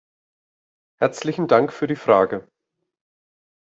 Herzlichen Dank für die Frage.